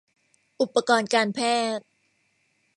อุปกรณ์การแพทย์